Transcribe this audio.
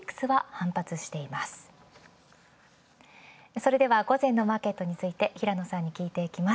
それでは午前のマーケットについて平野さんに聞いていきます。